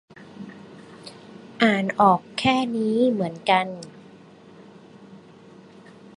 อ่านออกแค่นี้เหมือนกัน